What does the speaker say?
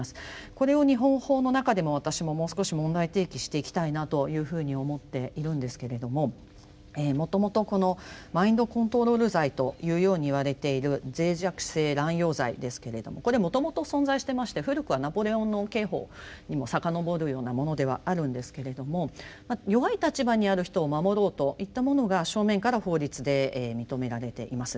これを日本法の中でも私ももう少し問題提起していきたいなというふうに思っているんですけれどももともとこのマインドコントロール罪というようにいわれている脆弱性乱用罪ですけれどもこれもともと存在してまして古くはナポレオンの刑法にも遡るようなものではあるんですけれども弱い立場にある人を守ろうといったものが正面から法律で認められています。